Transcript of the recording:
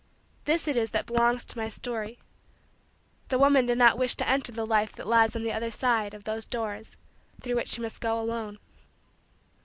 This it is that belongs to my story: the woman did not wish to enter the life that lies on the other side of those doors through which she must go alone.